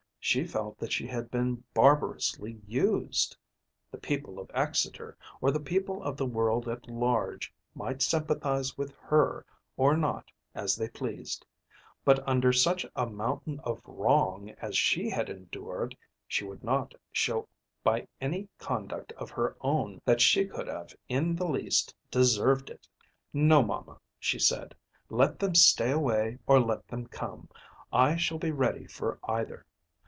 She felt that she had been barbarously used. The people of Exeter, or the people of the world at large, might sympathise with her or not as they pleased. But under such a mountain of wrong as she had endured, she would not show by any conduct of her own that she could have in the least deserved it. "No, mamma," she said; "let them stay away or let them come, I shall be ready for either.